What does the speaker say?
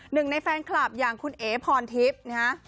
หนึ่งในแฟนคลับอย่างคุณเอ๋พรทิพย์นะฮะ